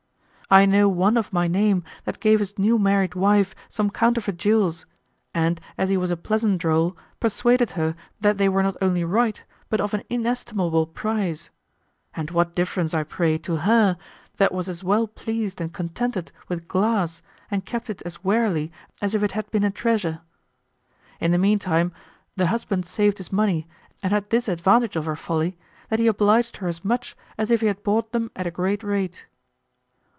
I know one of my name that gave his new married wife some counterfeit jewels, and as he was a pleasant droll, persuaded her that they were not only right but of an inestimable price; and what difference, I pray, to her, that was as well pleased and contented with glass and kept it as warily as if it had been a treasure? In the meantime the husband saved his money and had this advantage of her folly, that he obliged her as much as if he had bought them at a great rate.